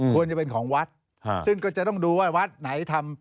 ควรจะเป็นของวัดซึ่งก็จะต้องดูว่าวัดไหนทำ